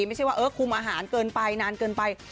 ไม่ใช่ว่าเออคุมอาหารเกินไปนานเกินไป